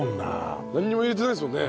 何も入れてないですもんね？